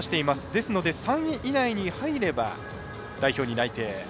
ですから、３位以内に入れば代表に内定。